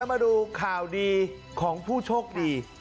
มาดูข่าวดีของผู้โชคดี